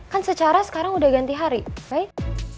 kan secara sekarang udah ganti hari baik